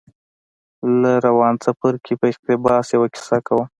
له روان څپرکي په اقتباس يوه کيسه کوم.